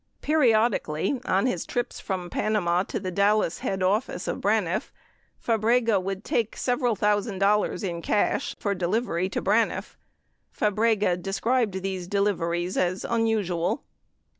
'' Periodically, on his trips from Panama to the Dallas head office of Braniff, Fabrega would take several thousand dollars in cash and for delivery to Braniff. Fabrega described these deliveries as "unusual."